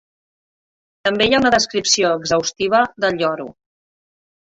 També hi ha una descripció exhaustiva del lloro.